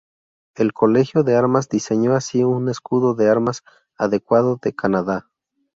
El Colegio de Armas diseñó así un escudo de armas adecuado de Canadá.